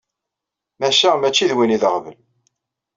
Maca mačči d win i d aɣbel.